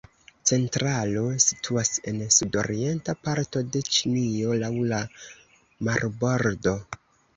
Centralo situas en sudorienta parto de Ĉinio laŭ la marbordo.